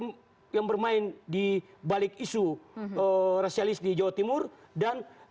untuk mengungkapkan siapa siapa yang bermain di balik isu rasialis di jawa timur di papua dan jawa timur tepatnya